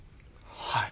はい。